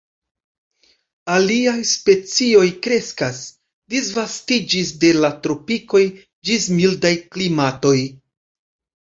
Aliaj specioj kreskas, disvastiĝis de la tropikoj ĝis mildaj klimatoj.